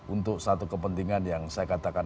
untuk satu kepentingan yang saya katakan